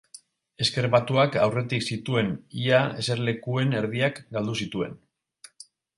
Ezker Batuak aurretik zituen ia eserlekuen erdiak galdu zituen.